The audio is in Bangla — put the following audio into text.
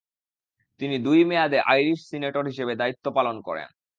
তিনি দুই মেয়াদে আইরিশ সিনেটর হিসেবে দায়িত্ব পালন করেন।